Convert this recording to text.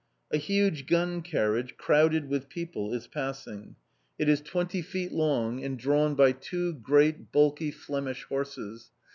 A huge gun carriage, crowded with people, is passing. It is twenty feet long, and drawn by two great, bulky Flemish horses.